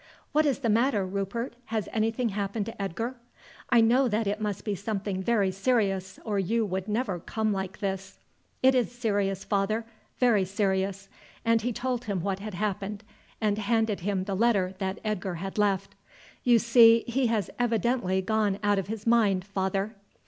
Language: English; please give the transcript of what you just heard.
"What is the matter, Rupert, has anything happened to Edgar? I know that it must be something very serious or you would never come like this." "It is serious, father, very serious;" and he told him what had happened, and handed him the letter that Edgar had left. "You see he has evidently gone out of his mind, father."